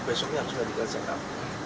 besoknya harus main di garjeng kapal